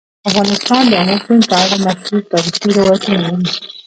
افغانستان د آمو سیند په اړه مشهور تاریخی روایتونه لري.